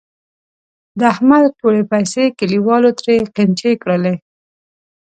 د احمد ټولې پیسې کلیوالو ترې قېنچي کړلې.